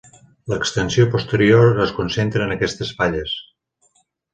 L'extensió posterior es concentra en aquestes falles.